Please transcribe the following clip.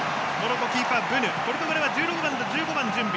ポルトガルは１６番と１５番、準備。